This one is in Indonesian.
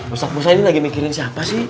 masak musa ini lagi mikirin siapa sih